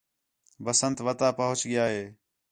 بسنت وتہ پہچ ڳِیا ہِے